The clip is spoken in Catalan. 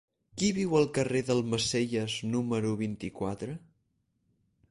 Qui viu al carrer d'Almacelles número vint-i-quatre?